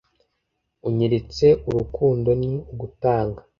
unyeretse urukundo ni ugutanga